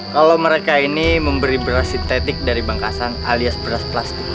kalau mereka ini memberi beras sintetik dari bangkasan alias beras plastik